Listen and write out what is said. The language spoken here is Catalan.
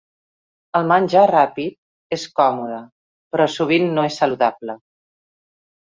El menjar ràpid és còmode, però sovint no és saludable.